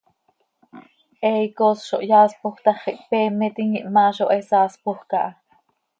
He icoos zo hyaaspoj tax, ihpeemetim, ihmaa zo he saaspoj caha.